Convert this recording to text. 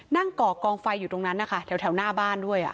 ก่อกองไฟอยู่ตรงนั้นนะคะแถวหน้าบ้านด้วย